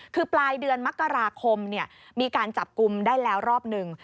คือปลายเดือนมกราคมมีการจับกลุ่มได้แล้วรอบหนึ่ง